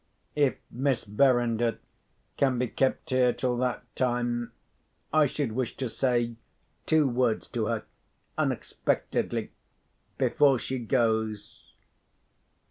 If Miss Verinder can be kept here till that time, I should wish to say two words to her—unexpectedly—before she goes."